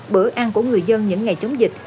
bữa ăn của người dân những ngày chống dịch